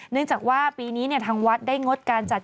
เนื่องจากว่าปีนี้ทางวัดได้งดการจัด